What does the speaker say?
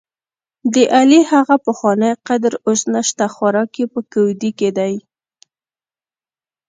دعلي هغه پخوانی قدر اوس نشته، خوراک یې په کودي کې دی.